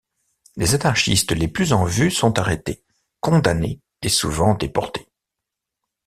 Les anarchistes les plus en vue sont arrêtés, condamnés et souvent déportés.